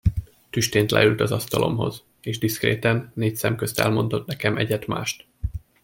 Tüstént leült az asztalomhoz, és diszkréten, négyszemközt elmondott nekem egyet-mást.